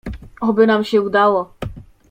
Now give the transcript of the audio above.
"Oby nam się udało."